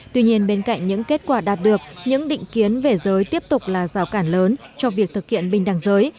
tuy nhiên bên cạnh những kết quả đạt được những định kiến về giới tiếp tục là rào cản lớn cho việc thực hiện bình đẳng giới